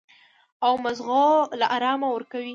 او مزغو له ارام ورکوي -